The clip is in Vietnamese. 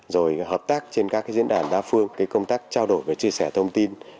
rồi hợp tác trên các diễn đàn đa phương công tác trao đổi về chia sẻ thông tin